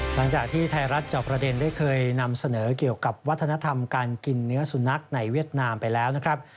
หลังจากที่ไทยรัฐจอบประเด็นได้เคยนำเสนอเกี่ยวกับวัฒนธรรมการกินเนื้อสุนัขในเวียดนามไปแล้วนะครับ